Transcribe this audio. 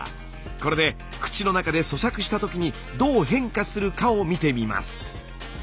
これで口の中で咀嚼したときにどう変化するかを見てみます。